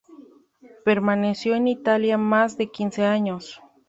Permaneció en Italia más de quince años.